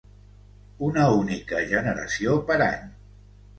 Una única generació per any.